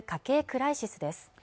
クライシスです